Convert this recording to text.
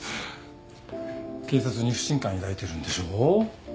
警察に不信感抱いてるんでしょ？